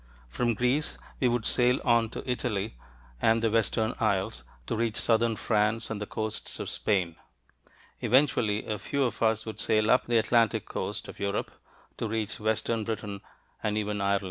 From Greece, we would sail on to Italy and the western isles, to reach southern France and the coasts of Spain. Eventually a few of us would sail up the Atlantic coast of Europe, to reach western Britain and even Ireland.